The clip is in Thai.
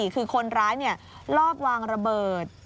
คือคนร้ายลอบวางระเบิด